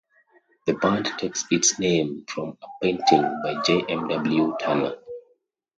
The band takes its name from a painting by J. M. W. Turner.